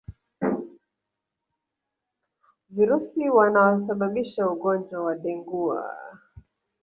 Virusi wanaosababisha ugonjwa wa dengua